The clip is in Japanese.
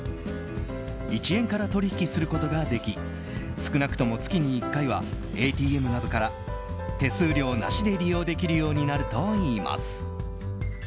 １円から取引することができ少なくとも月に１回はＡＴＭなどから手数料なしで利用できるようになるといいます。